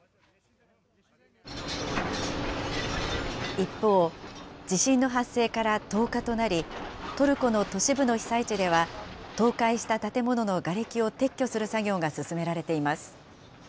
一方、地震の発生から１０日となり、トルコの都市部の被災地では、倒壊した建物のがれきを撤去する作業が進められています。